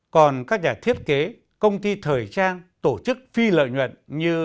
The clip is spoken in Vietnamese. còn các nhà thiết kế công ty thời trang tổ chức phi lợi nhuận như